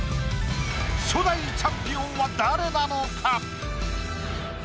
初代チャンピオンは誰なのか？